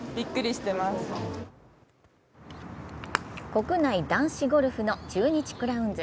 国内男子ゴルフの中日クラウンズ。